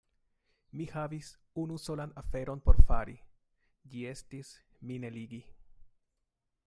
Mi havis unu solan aferon por fari: ĝi estis, min eligi.